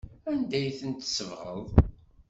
Anda ay tent-tsebɣeḍ?